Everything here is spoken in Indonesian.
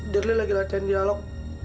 dirli lagi latihan dialog